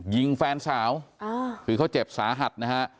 ยิงแฟนสาวคือเขาเจ็บสาหัสนะฮะ